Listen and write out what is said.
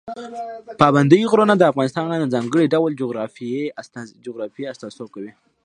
پابندی غرونه د افغانستان د ځانګړي ډول جغرافیه استازیتوب کوي.